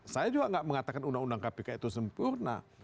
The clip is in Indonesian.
saya juga tidak mengatakan undang undang kpk itu sempurna